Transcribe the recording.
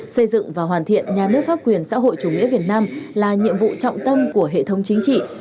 xây dựng và hoàn thiện nhà nước pháp quyền xã hội chủ nghĩa việt nam là nhiệm vụ trọng tâm của hệ thống chính trị